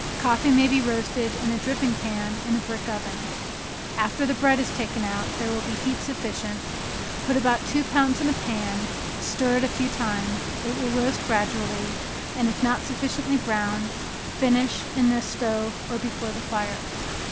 Coffee may be roasted in a dripping pan in a brick oven. After the bread is taken out, there will be heat sufficient, put about two pounds in a pan, stir it a few times it will roast gradually, and if not sufficiently brown, finish in a stove or before the fire.